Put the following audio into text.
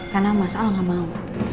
karena mas al gak mau